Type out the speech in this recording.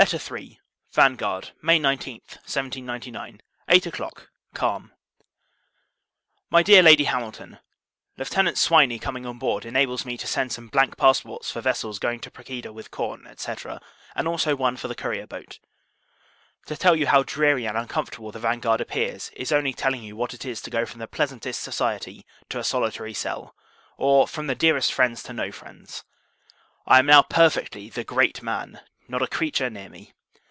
LETTER III. Vanguard, May 19, 1799, Eight o'Clock. Calm. MY DEAR LADY HAMILTON, Lieutenant Swiney coming on board, enables me to send some blank passports for vessels going to Procida with corn, &c. and also one for the courier boat. To tell you, how dreary and uncomfortable the Vanguard appears, is only telling you, what it is to go from the pleasantest society to a solitary cell; or, from the dearest friends, to no friends. I am now perfectly the great man not a creature near me.